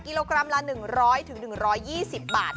กิโลกรัมละ๑๐๐๑๒๐บาท